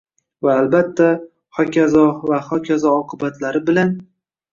Va, albatta, xokazo va xokazo oqibatlari bilan